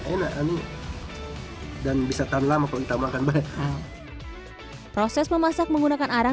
enak dan bisa tanam kalau kita makan banget proses memasak menggunakan arang